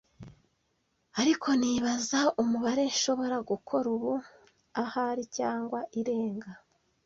ariko nibaza umubare nshobora gukora ubu. Ahari cyangwa irenga?"